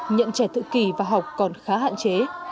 nhận trẻ tự kỳ và học còn khá hạn chế